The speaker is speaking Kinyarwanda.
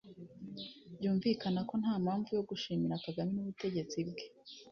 Byumvikana ko nta mpamvu yo gushima Kagame n’ubutegetsi bwe